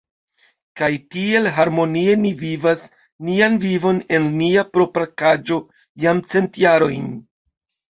Kaj tiel harmonie ni vivas nian vivon en nia propra kaĝo jam cent jarojn.